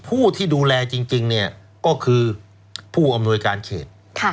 ผู้ที่ดูแลจริงเนี่ยก็คือผู้อำนวยการเขต